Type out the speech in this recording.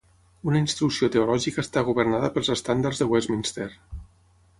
Una instrucció teològica està governada pels estàndards de Westminster.